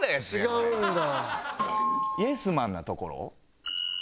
イエスマンなところ。